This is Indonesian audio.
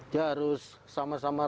dia harus sama sama